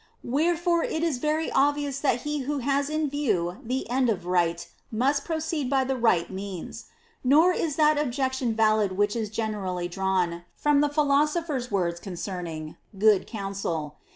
Wherefore it is very obvious that he who Has in view the end of Right must proceed by the right means. Nor is that objection valid which is generally drawn from the Philosopher's words concerning "good counsel."